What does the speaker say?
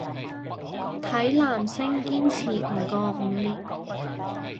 睇男星堅持唔過五年